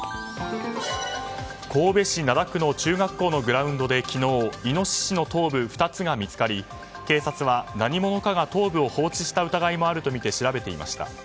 神戸市灘区の中学校のグラウンドで昨日イノシシの頭部２つが見つかり警察は何者かが頭部を放置した疑いもあるとみて調べていました。